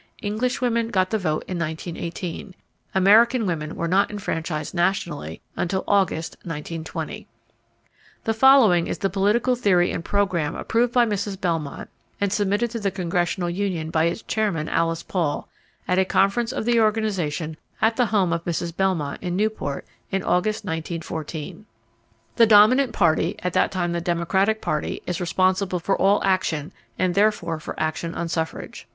English women got the vote in 1918. American women were not enfranchised nationally until August, 1920. The following is the political theory and program approved by Mrs. Belmont and submitted to the Congressional Union, by its chairman, Alice Paul, at a conference of the organization at the home of Mrs. Belmont in Newport in August, 1914: The dominant party (at that time the Democratic Party) is responsible for all action and therefore for action on suffrage.